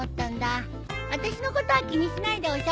あたしのことは気にしないでおしゃべりして。